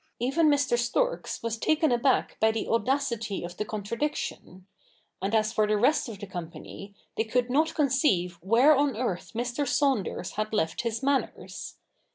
Even Mr. Storks was taken aback by the audacity of the contradiction ; and as for the rest of the company, they could not conceive where on earth Mr. Saunders had left his manners.